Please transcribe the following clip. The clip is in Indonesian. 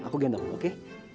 aku gendong oke